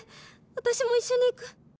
私も一緒に行く！」。